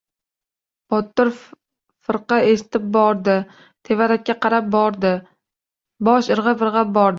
Botir firqa eshitib bordi. Tevarakka qarab bordi. Bosh irg‘ab-irg‘ab bordi.